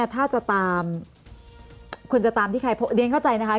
ถ้าจะตามควรจะตามที่ใครพบเดี๋ยวก็เข้าใจนะครับ